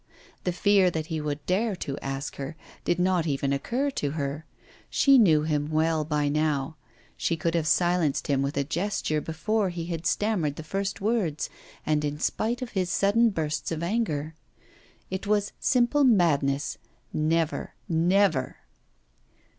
The fear that he would dare to ask her did not even occur to her; she knew him well by now; she could have silenced him with a gesture, before he had stammered the first words, and in spite of his sudden bursts of anger. It was simple madness. Never, never!